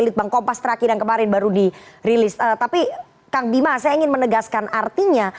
litbang kompas terakhir yang kemarin baru dirilis tapi kang bima saya ingin menegaskan artinya